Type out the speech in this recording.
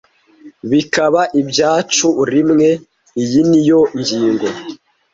Bikaba ibyacu rimwe. Iyi niyo ngingo